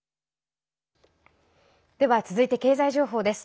では、続いて経済情報です。